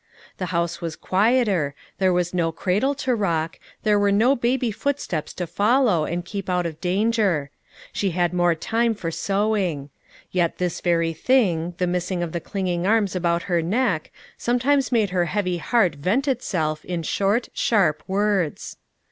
The house was quieter, there was no cradle to rock, there were no baby footsteps to follow and keep out of danger; she had more time for sewing. Yet this very thing, the missing of the clinging arms about her neck, sometimes made her heavy heart vent itself in short, sharp words.